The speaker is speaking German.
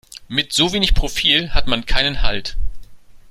Mit so wenig Profil hat man keinen Halt.